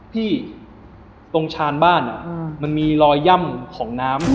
พี่ตรงชานบ้านมันมีรอยย่ำของน้ำ